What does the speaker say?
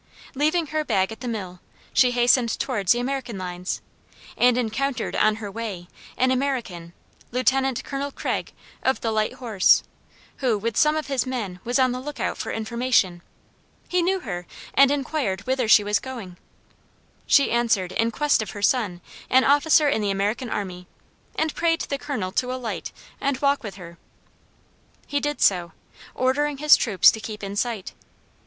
Leaving her bag at the mill, she hastened towards the American lines, and encountered on her way an American, Lieutenant Colonel Craig, of the light horse, who, with some of his men, was on the lookout for information. He knew her, and inquired whither she was going. She answered, in quest of her son, an officer in the American army; and prayed the Colonel to alight and walk with her. He did so, ordering his troops to keep in sight.